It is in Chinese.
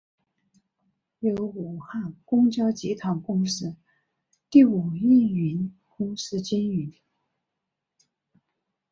由武汉公交集团公司第五营运公司经营。